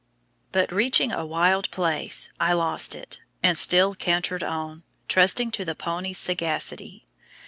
But reaching a wild place, I lost it, and still cantered on, trusting to the pony's sagacity.